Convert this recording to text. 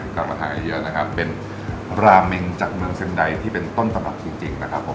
กลับมาทานกันเยอะนะครับเป็นราเมงจากเมืองเซ็นไดที่เป็นต้นตำรับจริงนะครับผม